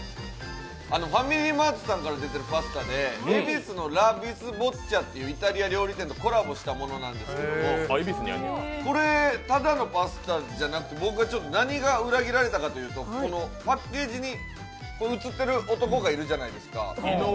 ファミリーマートさんから出ているパスタでエビスのラ・ビスボッチャというイタリア料理店とコラボをしたものなんですけどこれ、ただのパスタじゃなく何が裏切られたかというと、パッケージに写っている男がいるじゃないですか。